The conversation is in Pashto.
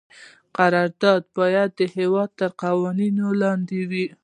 قرارداد باید د هیواد تر قوانینو لاندې وي.